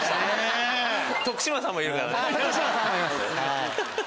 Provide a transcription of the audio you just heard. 徳島さんもいるからね。